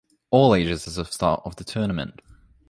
All ages as of start of the tournament.